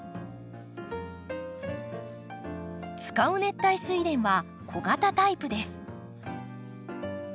使う熱帯スイレンは小型タイプです。